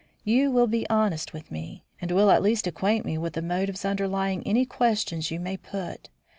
You will be honest with me, and will at least acquaint me with the motive underlying any questions you may put.